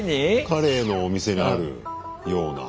カレーのお店にあるような。